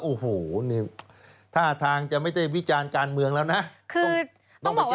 โอ้โหท่าทางจะไม่ได้วิจารณ์การเมืองแล้วนะคือต้องมาแก้ตัว